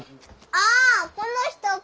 ああこの人か。